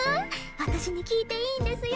私に聞いていいんですよ？